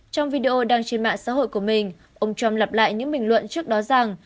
trong video đăng trên mạng xã hội của mình ông trump lặp lại những bình luận trước đó rằng